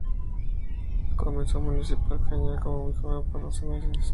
Comenzó en el Municipal de Cañar como joven por doce meses.